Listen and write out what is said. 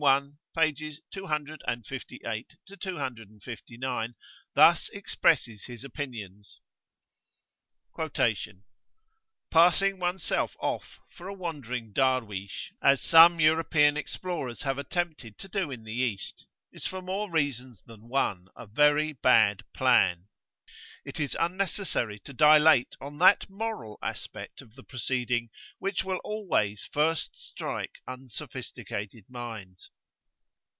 pp. 258 59) thus expresses his opinions: "Passing oneself off for a wandering Darweesh, as some European explorers have attempted to do in the East, is for more reasons than one a very bad plan. It is unnecessary to dilate on that moral aspect of the proceeding which will always first strike unsophisticated minds.